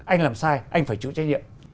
anh làm sai anh phải chịu trách nhiệm